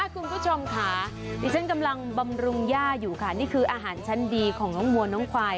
คุณผู้ชมค่ะดิฉันกำลังบำรุงย่าอยู่ค่ะนี่คืออาหารชั้นดีของน้องวัวน้องควาย